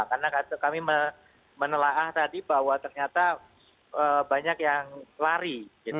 karena kami menelaah tadi bahwa ternyata banyak yang lari